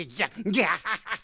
ギャハハハ！